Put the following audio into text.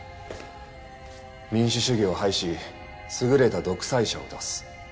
民主主義を廃し優れた独裁者を出す。